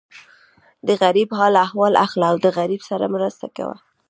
د غریب حال احوال اخله او د غریب سره مرسته کوه.